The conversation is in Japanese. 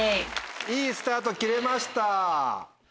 いいスタート切れました。